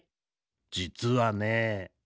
じつはね。